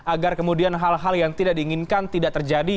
agar kemudian hal hal yang tidak diinginkan tidak terjadi